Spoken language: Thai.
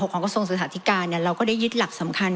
ของกระทรวงศึกษาธิการเราก็ได้ยึดหลักสำคัญ